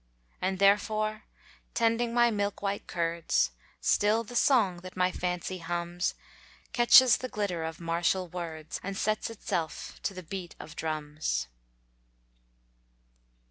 And therefore tending my milk white curds, Still the song that my fancy hums, Catches the glitter of martial words, And sets itself to the beat of drums.